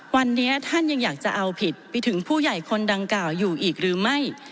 วันนี้ท่านยังอยากจะเอาผิดไปถึงผู้ใหญ่คนดังกล่าวอยู่อีกหรือไม่